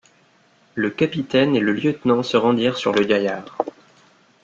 Le capitaine et le lieutenant se rendirent sur le gaillard.